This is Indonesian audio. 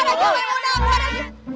keluar haji memuna